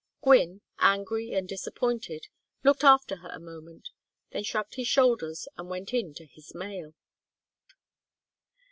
Gwynne, angry and disappointed, looked after her a moment, then shrugged his shoulders and went in to his mail.